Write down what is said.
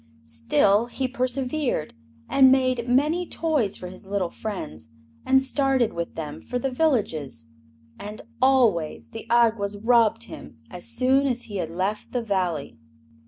Still he persevered, and made many toys for his little friends and started with them for the villages. And always the Awgwas robbed him as soon as he had left the Valley.